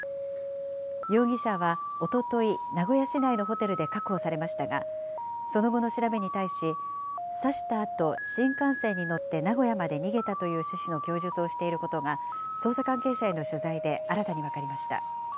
容疑者はおととい、名古屋市内のホテルで確保されましたが、その後の調べに対し、刺したあと新幹線に乗って名古屋まで逃げたという趣旨の供述をしていることが、捜査関係者への取材で新たに分かりました。